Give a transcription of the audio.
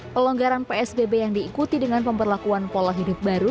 pelonggaran psbb yang diikuti dengan pemberlakuan pola hidup baru